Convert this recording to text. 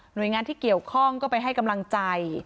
โดยงานที่เกี่ยวข้องก็ไปให้กำลังใจ